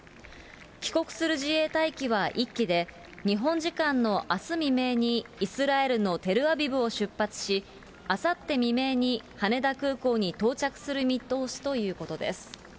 帰国する自衛隊機は１機で、日本時間のあす未明に、イスラエルのテルアビブを出発し、あさって未明に羽田空港に到着する見通しということです。